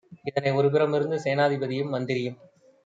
இதனை ஒரு புறமிருந்து சேனாதிபதியும் மந்திரியும்